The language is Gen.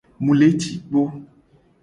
Mu le ci kpo.